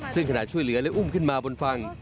ซึ่งขณะช่วยเหลือและอุ้มขึ้นมาบนฝั่ง